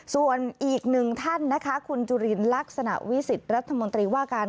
ส่วนอีกหนึ่งท่านนะคะคุณจุลินลักษณะวิสิทธิ์รัฐมนตรีว่าการ